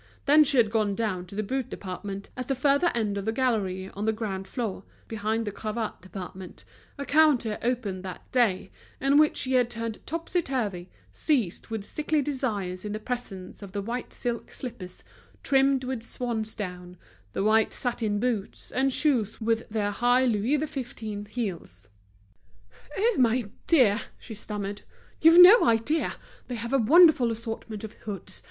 Then she had gone down to the boot department, at the further end of a gallery on the ground floor, behind the cravat department, a counter opened that day, and which she had turned topsy turvy, seized with sickly desires in the presence of the white silk slippers trimmed with swansdown, the white satin boots and shoes with their high Louis XV. heels. "Oh! my dear," she stammered, "you've no idea! They have a wonderful assortment of hoods.